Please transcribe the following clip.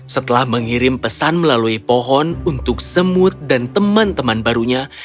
setelah mengirim pesan melalui pohon untuk semut dan teman teman barunya